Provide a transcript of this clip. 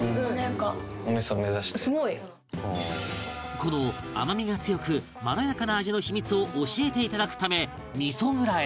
この甘みが強くまろやかな味の秘密を教えて頂くため味蔵へ